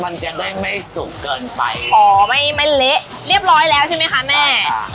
มันจะได้ไม่สุกเกินไปอ๋อไม่ไม่เละเรียบร้อยแล้วใช่ไหมคะแม่